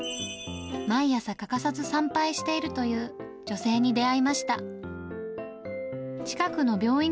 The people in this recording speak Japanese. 毎朝欠かさず参拝しているという女性に出会いました。